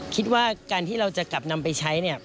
คิดว่าการที่เราจะกลับนำไปใช้เนี่ย